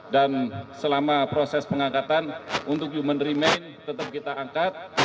dan selama proses pengangkatan untuk human remain tetap kita angkat